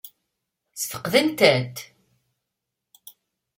Ssfeqden-tent?